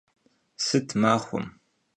Sıt maxuem?